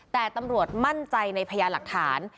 แต่ตำรวจมั่นใจในพยานหลักฐาน